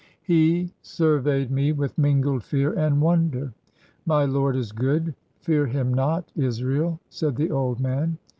He surveyed me with mingled fear and wonder. "My lord is good, fear him not, Israel," said the old man.